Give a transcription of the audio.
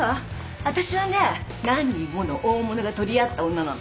あたしはね何人もの大物が取り合った女なの。